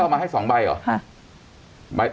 มาใกล้๒ใบหรอ